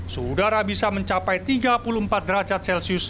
sudara bisa mencapai tiga puluh empat derajat celcius